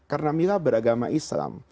karena mila beragama islam